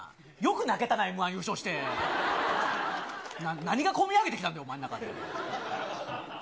よく泣けたな、Ｍー１優勝して、何がこみ上げてきたんだよ、お前の中で。